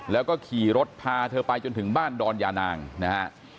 แล้วก็ขี่รถพาเธอไปจนถึงบ้านดอนยานางนะฮะ